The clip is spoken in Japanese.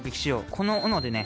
このおのでね